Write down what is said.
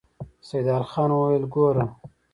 سيدال خان وويل: ګوره!